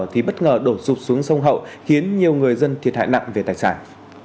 thì bất ngờ đổ sụp xuống sông hậu khiến nhiều người dân thiệt hại nặng về tài sản